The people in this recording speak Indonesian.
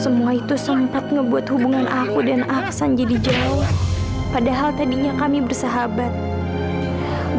semua itu sempat ngebuat hubungan aku dan aksan jadi jauh padahal tadinya kami bersahabat